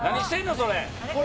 それ。